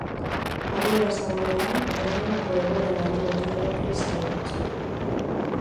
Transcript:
Adiera zabalean, edonolako egoera larri bati ere krisi deritzo.